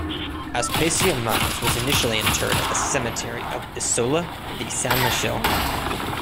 Aspasia Manos was initially interred at the cemetery of Isola di San Michele.